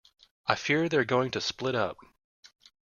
I fear they're going to split up.